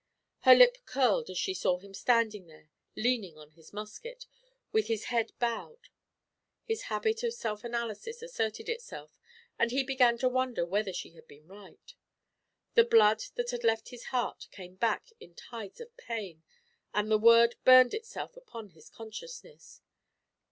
Her lip curled as she saw him standing there, leaning on his musket, with his head bowed. His habit of self analysis asserted itself, and he began to wonder whether she had been right. The blood that had left his heart came back in tides of pain, and the word burned itself upon his consciousness.